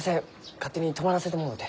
勝手に泊まらせてもろうて。